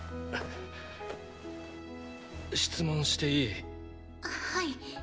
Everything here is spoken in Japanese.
質問していい？ははい。